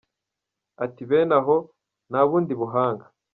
Ati “Bene aho, nta bundi buhanga.